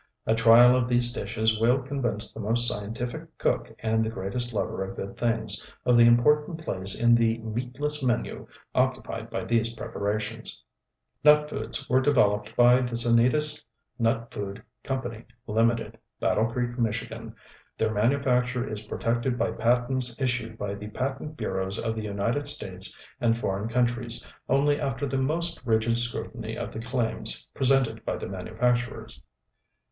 A trial of these dishes will convince the most scientific cook and the greatest lover of good things, of the important place in the "meatless menu" occupied by these preparations._ NUT FOODS were developed by the Sanitas Nut Food Co., Ltd., Battle Creek, Mich. Their manufacture is protected by patents issued by the patent bureaus of the United States and foreign countries only after the most rigid scrutiny of the claims presented by the manufacturers.